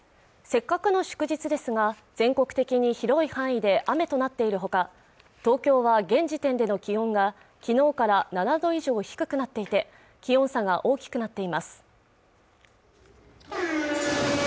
せっかくの祝日ですが全国的に広い範囲で雨となっているほか東京は現時点での気温が昨日から７度以上低くなっていて気温差が大きくなっています